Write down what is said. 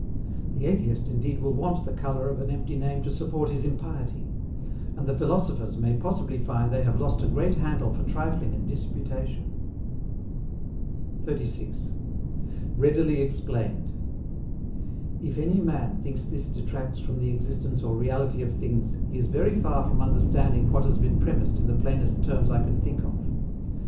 The Atheist indeed will want the colour of an empty name to support his impiety; and the Philosophers may possibly find they have lost a great handle for trifling and disputation. 36. READILY EXPLAINED. If any man thinks this detracts from the existence or reality of things, he is very far from understanding what has been premised in the plainest terms I could think of.